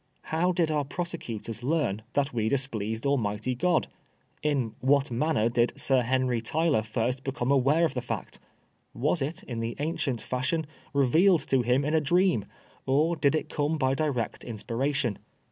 How did our prosecutors learn that we displeased Almighty God ? In what manner did Sir Henry Tyler first become aware of the fact ? Was it, in the ancient fashion, revealed to him in a dream, or did it come by direct inspiration